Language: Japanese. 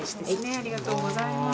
ありがとうございます。